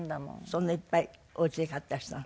そんないっぱいおうちで飼ってらしたの？